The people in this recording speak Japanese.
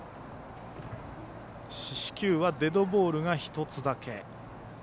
四死球はデッドボールが１つだけ。